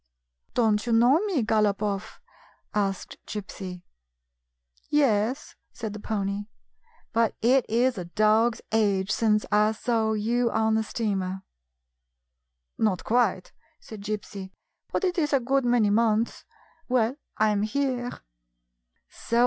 " Don't you know me, Galopoff?" asked Gypsy. " Yes," said the pony ;" but it is a dog's age since I saw you on the steamer." " Not quite," said Gypsy ;" but it is a good many months. Well, I 'm here."